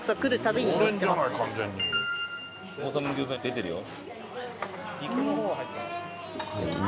王さまの餃子出てるよ。